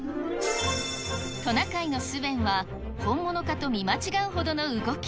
トナカイのスヴェンは、本物かと見間違うほどの動き。